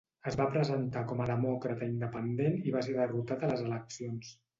Es va presentar com a demòcrata independent i va ser derrotat a les eleccions.